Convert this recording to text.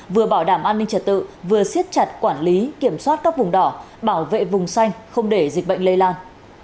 vừa bảo đảm an ninh trật tự vừa siết chặt quản lý kiểm soát các vùng đỏ bảo vệ vùng xanh không để dịch bệnh lây lan